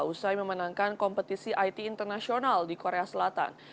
usai memenangkan kompetisi it internasional di korea selatan